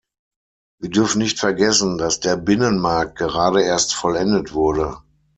Wir dürfen nicht vergessen, dass der Binnenmarkt gerade erst vollendet wurde.